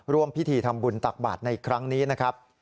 ร่วมพิธีทำบุญตักบาทในครั้งนี้นะครับ